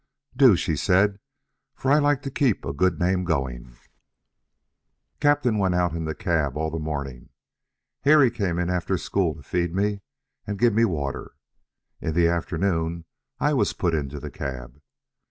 "Do," she said, "for I like to keep a good name going." Captain went out in the cab all the morning. Harry came in after school to feed me and give me water. In the afternoon I was put into the cab.